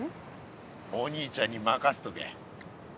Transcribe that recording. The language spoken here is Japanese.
お兄ちゃんに任せとけ。